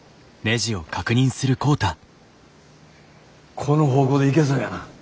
この方向でいけそうやな。